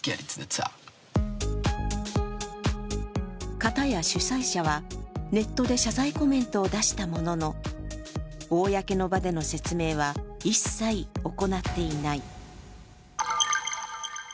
かたや主催者はネットで謝罪コメントを出したものの公の場での説明は一切行っていない。